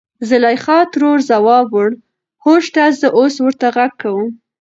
زليخا ترور ځواب وړ .هو شته زه اوس ورته غږ کوم.